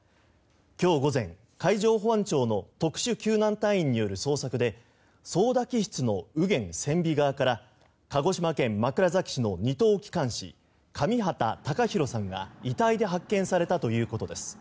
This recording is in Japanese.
今日午前、海上保安庁の特殊救難隊員による捜索で操舵機室の右舷船尾側から鹿児島県枕崎市の２等機関士上畠隆寛さんが遺体で発見されたということです。